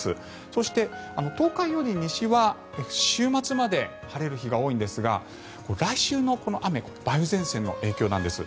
そして、東海より西は週末まで晴れる日が多いんですが来週のこの雨梅雨前線の影響なんです。